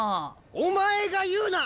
お前が言うな！